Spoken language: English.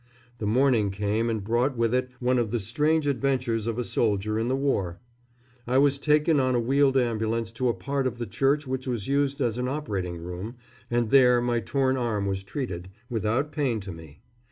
The morning came, and brought with it one of the strange adventures of a soldier in the war. I was taken on a wheeled ambulance to a part of the church which was used as an operating room, and there my torn arm was treated, without pain to me.